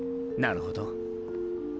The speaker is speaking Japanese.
なるほど。